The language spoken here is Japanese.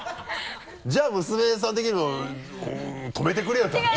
じゃあ娘さん的にも「止めてくれよ！」って話ですよね。